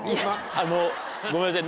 あのごめんなさい。